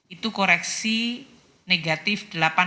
itu koreksi negatif delapan puluh